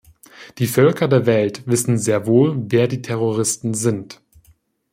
Die Völker der Welt wissen sehr wohl, wer die Terroristen sind.